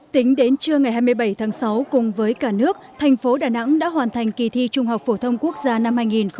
tính đến trưa ngày hai mươi bảy tháng sáu cùng với cả nước thành phố đà nẵng đã hoàn thành kỳ thi trung học phổ thông quốc gia năm hai nghìn một mươi tám